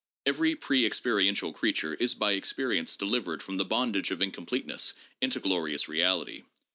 Every pre experiential creature is by experience deliv ered from the bondage of incompleteness into glorious reality.